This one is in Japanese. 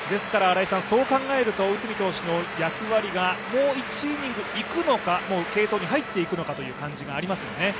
そう考えると、内海投手の役割がもう１イニングいくのか、継投に入っていくのかという感じがありますね。